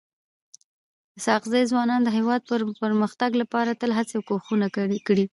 اسحق زي ځوانانو د هيواد د پرمختګ لپاره تل هڅي او کوښښونه کړي.